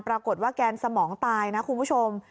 ปรากฏว่าแกนสมองตายนะคุณผู้ชม